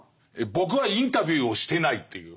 僕はインタビューをしてないっていう。